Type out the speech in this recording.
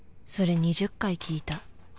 それ２０回聞いた。